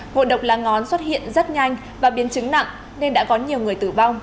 ngộ độc lá ngón xuất hiện rất nhanh và biến chứng nặng nên đã có nhiều người tử vong